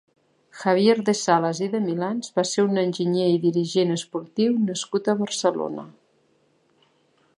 Javier de Salas i de Milans va ser un enginyer i dirigent esportiu nascut a Barcelona.